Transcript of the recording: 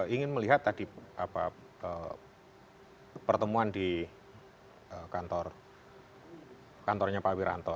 ingin melihat tadi pertemuan di kantornya pak wiranto